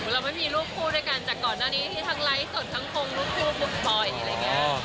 เราไม่มีรูปผู้ด้วยกันจากก่อนหน้านี้ที่ทั้งไลฟ์สดทั้งคงรูปผู้บุกบ่อย